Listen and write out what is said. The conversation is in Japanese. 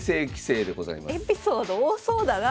エピソード多そうだな。